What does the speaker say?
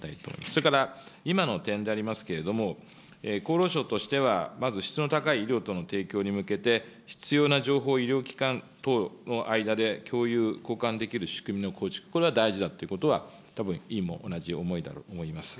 それから今の点でありますけれども、厚労省としては、まず質の高い医療等の提供に向けて、必要な情報を医療機関等の間で共有、交換できる仕組みの構築、これは大事だってことは、たぶん委員も同じ思いだと思います。